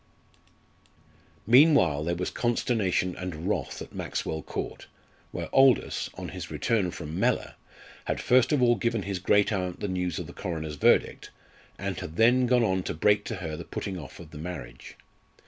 Meanwhile there was consternation and wrath at Maxwell Court, where Aldous, on his return from Mellor, had first of all given his great aunt the news of the coroner's verdict, and had then gone on to break to her the putting off of the marriage.